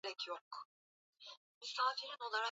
Eshima ya muntu inatoka kwa yemoya